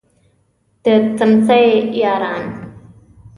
د څمڅې یاران.